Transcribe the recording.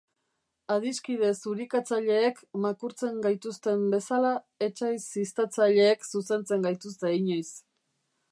Adiskide zurikatzaileek makurtzen gaituzten bezala, etsai ziztatzaileek zuzentzen gaituzte inoiz.